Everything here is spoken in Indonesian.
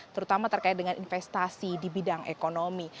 terutama terkait dengan investasi di bidang ekonomi